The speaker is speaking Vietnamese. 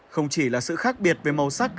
không chỉ là sự khác biệt về màu sắc